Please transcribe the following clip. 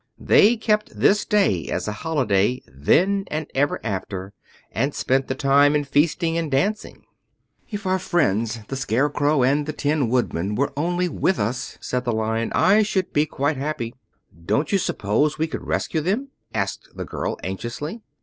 They kept this day as a holiday, then and ever after, and spent the time in feasting and dancing. "If our friends, the Scarecrow and the Tin Woodman, were only with us," said the Lion, "I should be quite happy." "Don't you suppose we could rescue them?" asked the girl anxiously.